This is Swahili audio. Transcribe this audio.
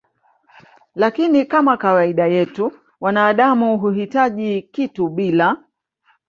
lakini Kama kawaida yetu wanaadamu huhitaji kitu bila